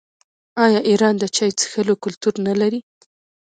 آیا ایران د چای څښلو کلتور نلري؟